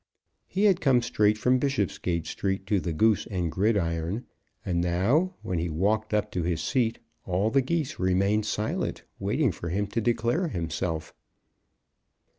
He had come straight from Bishopsgate Street to the "Goose and Gridiron;" and now when he walked up to his seat, all the Geese remained silent waiting for him to declare himself.